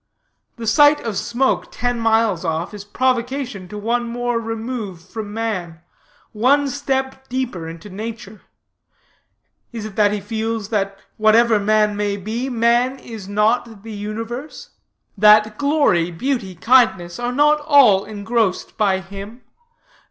The sight of smoke ten miles off is provocation to one more remove from man, one step deeper into nature. Is it that he feels that whatever man may be, man is not the universe? that glory, beauty, kindness, are not all engrossed by him?